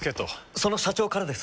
その社長からです。